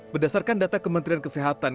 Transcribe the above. berdasarkan data kementerian kesehatan